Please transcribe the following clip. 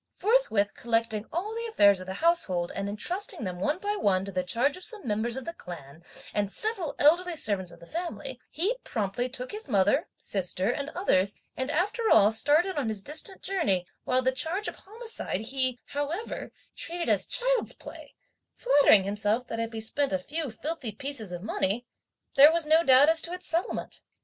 Forthwith collecting all the affairs of the household, and entrusting them one by one to the charge of some members of the clan and several elderly servants of the family, he promptly took his mother, sister and others and after all started on his distant journey, while the charge of homicide he, however, treated as child's play, flattering himself that if he spent a few filthy pieces of money, there was no doubt as to its settlement.